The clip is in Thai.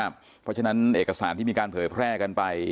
เพราะฉะนั้นเอกสารที่มีการเผยแพร่กันไป